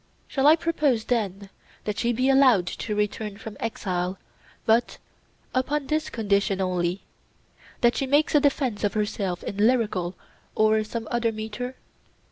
Shall I propose, then, that she be allowed to return from exile, but upon this condition only—that she make a defence of herself in lyrical or some other metre?